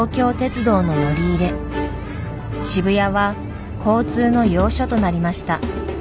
渋谷は交通の要所となりました。